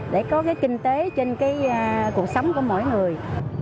để có cái kinh tế trên cái cuộc sống của mỗi người